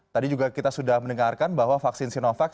tadi juga kita sudah mendengarkan bahwa vaksin sinovac